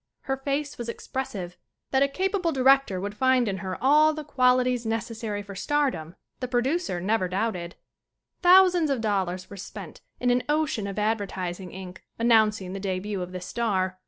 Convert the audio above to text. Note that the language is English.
Her face was expressive. That a capable director would find in her all the qualities necessary for stardom the producer never doubted. Thousands of dollars were spent in an ocean of advertising ink announcing the debut of this star.